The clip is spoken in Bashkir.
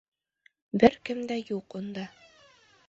Бер кем дә юҡ унда.